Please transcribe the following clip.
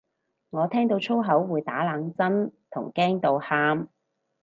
我聽到粗口會打冷震同驚到喊